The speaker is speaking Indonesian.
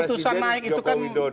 keputusan naik itu kan